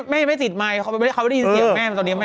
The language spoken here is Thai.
ไม่ไม่จินไมน์เขาไม่ได้ยืนเสียแม่